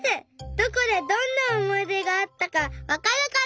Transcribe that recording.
どこでどんなおもいでがあったかわかるから！